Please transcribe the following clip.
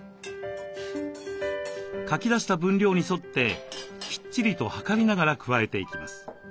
書き出した分量に沿ってきっちりと量りながら加えていきます。